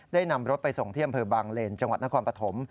นำรถไปส่งที่อำเภอบางเลนจังหวัดนครปฐม